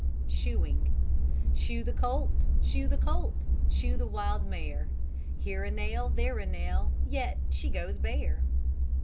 SHOEING Shoe the colt, Shoe the colt, Shoe the wild mare; Here a nail, There a nail, Yet she goes bare.